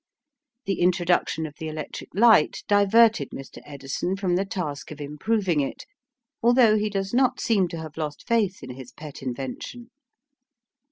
The introduction of the electric light diverted Mr. Edison from the task of improving it, although he does not seem to have lost faith in his pet invention.